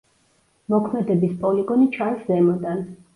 მოქმედების პოლიგონი ჩანს ზემოდან.